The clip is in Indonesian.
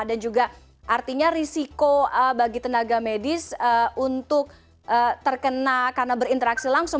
dan juga artinya risiko bagi tenaga medis untuk terkena karena berinteraksi langsung